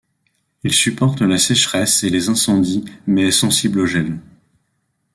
Il supporte la sécheresse et les incendies mais est sensible au gel.